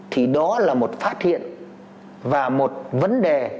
thì đó là một phát hiện và một vấn đề